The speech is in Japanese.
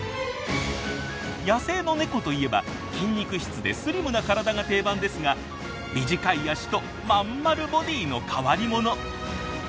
野生のネコといえば筋肉質でスリムな体が定番ですが短い足とまんまるボディーの変わり者。